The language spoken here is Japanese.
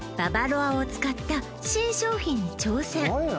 ババロアを使った新商品に挑戦